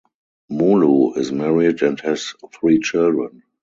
Mulu is married and has three children.